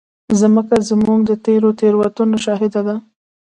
مځکه زموږ د تېرو تېروتنو شاهد ده.